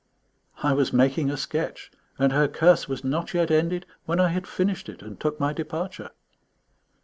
I was making a sketch, and her curse was not yet ended when I had finished it and took my departure.